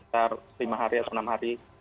sekitar lima hari atau enam hari